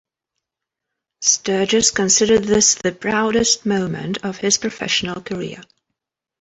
Sturges considered this the proudest moment of his professional career.